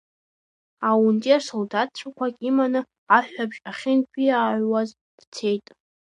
Аунтер солдаҭцәақәак иманы аҳәҳәабжь ахьынтәиааҩуаз дцеит.